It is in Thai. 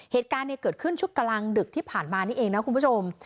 เหตุการณ์เกิดขึ้นช่วงกลางดึกที่ผ่านมานี่เองนะคุณผู้ชม